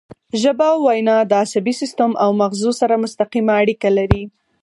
ژبه او وینا د عصبي سیستم او مغزو سره مستقیمه اړیکه لري